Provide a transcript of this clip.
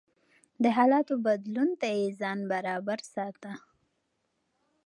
د حالاتو بدلون ته يې ځان برابر ساته.